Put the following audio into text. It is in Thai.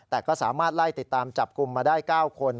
แต่ก็สามารถไล่ติดตามจับกลุ่มมาได้๙คน